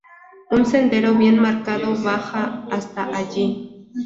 Un sendero bien marcado baja hasta allí.